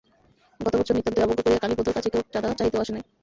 গত বৎসর নিতান্তই অবজ্ঞা করিয়া কালীপদর কাছে কেহ চাঁদা চাহিতেও আসে নাই।